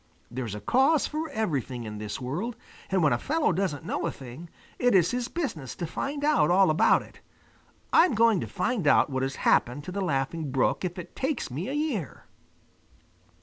There's a cause for everything in this world, and when a fellow doesn't know a thing, it is his business to find out all about it. I'm going to find out what has happened to the Laughing Brook, if it takes me a year!"